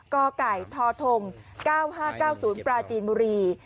กไก่ทท๙๕๙๐ปราจีนบุรี